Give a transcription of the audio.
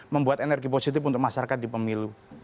membuat energi positif untuk masyarakat di pemilu